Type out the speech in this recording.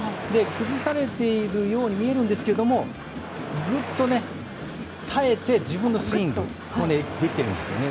崩されているように見えるんですがぐっと耐えて自分のスイングができているんですよね。